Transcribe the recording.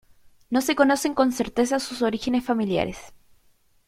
No se conocen con certeza sus orígenes familiares.